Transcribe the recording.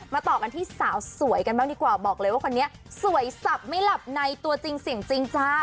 ต่อกันที่สาวสวยกันบ้างดีกว่าบอกเลยว่าคนนี้สวยสับไม่หลับในตัวจริงเสียงจริงจ้า